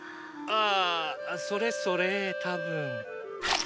あああそれそれたぶん。